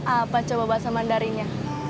apa coba bahasa mandarinya